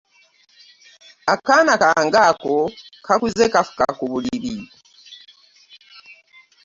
Akaana kange ako kakuze kafuka ku buliri.